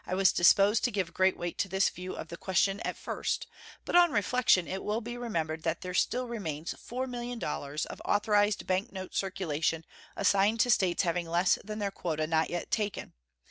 I was disposed to give great weight to this view of the question at first, but on reflection it will be remembered that there still remains $4,000,000 of authorized bank note circulation assigned to States having less than their quota not yet taken.